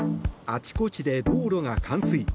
あちこちで道路が冠水。